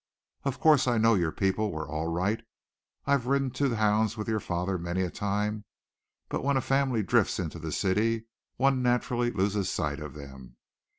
Of course, I know your people were all right. I've ridden to hounds with your father many a time, but when a family drifts into the city, one naturally loses sight of them.